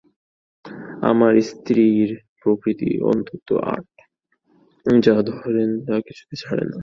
আমার স্ত্রীর প্রকৃতি অত্যন্ত আঁট, যা ধরেন তা কিছুতেই ছাড়েন না।